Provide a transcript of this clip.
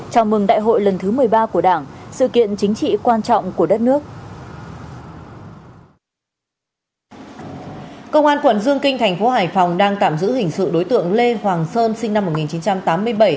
công an quận dương kinh thành phố hải phòng đang tạm giữ hình sự đối tượng lê hoàng sơn sinh năm một nghìn chín trăm tám mươi bảy